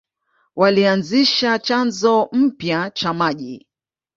Walianzisha chanzo mpya cha maji.